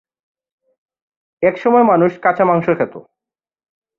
একসময় মানুষ কাঁচা মাংস খেত।